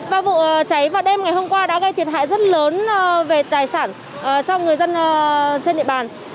ba vụ cháy vào đêm ngày hôm qua đã gây thiệt hại rất lớn về tài sản cho người dân trên địa bàn